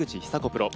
プロ。